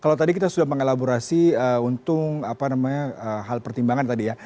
kalau tadi kita sudah mengelaborasi untuk hal pertimbangan tadi ya